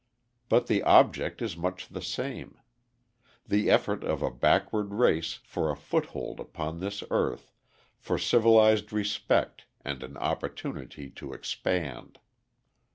But the object is much the same: the effort of a backward race for a foothold upon this earth, for civilised respect and an opportunity to expand.